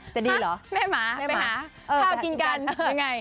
จะดีเหรอแม่หมาไปหาข้าวกินกันยังไง